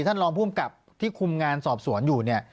ท่านรองผู้กลับที่คุมงานสอบสวนอยู่